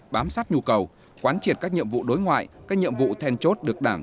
bám sát nhu cầu quán triệt các nhiệm vụ đối ngoại các nhiệm vụ then chốt được đảng